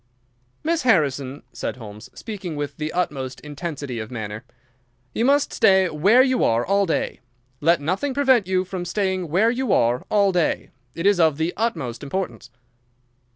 "Miss Harrison," said Holmes, speaking with the utmost intensity of manner, "you must stay where you are all day. Let nothing prevent you from staying where you are all day. It is of the utmost importance."